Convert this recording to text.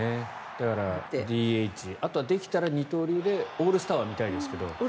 ＤＨあとはできたら二刀流でオールスターは見たいですけど。